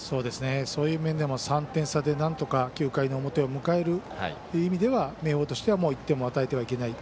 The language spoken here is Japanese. そういう面でも３点差でなんとか９回の表を迎えるという意味では明豊としてはもう１点も与えてはいけない。